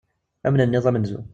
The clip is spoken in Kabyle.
Amnenniḍ amenzu.